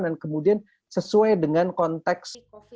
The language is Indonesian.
dan kemudian sesuai dengan konteks